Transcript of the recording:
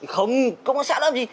không công an xã đâu gì